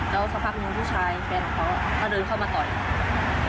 แล้วสักพักหนึ่งผู้ชายแฟนของเขาก็เดินเข้ามาต่อย